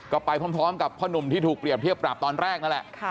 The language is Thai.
ก็ไปพร้อมกับพ่อหนุ่มที่ถูกเปรียบเทียบปรับตอนแรกนั่นแหละ